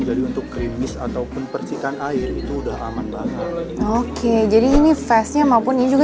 yang bisa di lemis ataupun persihkan air itu udah aman banget oke jadi ini fastnya maupun ini juga